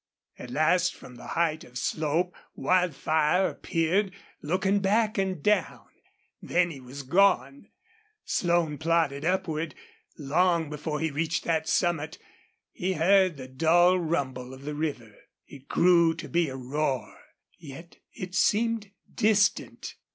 At last from the height of slope Wildfire appeared, looking back and down. Then he was gone. Slone plodded upward. Long before he reached that summit be heard the dull rumble of the river. It grew to be a roar, yet it seemed distant.